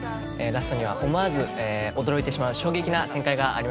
ラストには思わず驚いてしまう衝撃な展開があります。